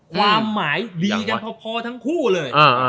ความหมายดีกันพอทั้งคู่เลย